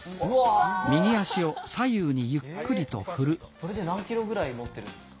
それで何キロぐらい持ってるんですか？